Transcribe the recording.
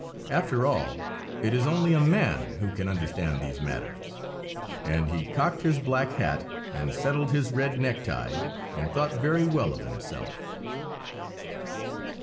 After all, it is only a man who can understand these matters." And he cocked his black hat, and settled his red necktie, and thought very well of himself.